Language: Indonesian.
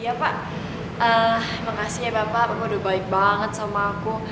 ya pak makasih ya bapak aku udah baik banget sama aku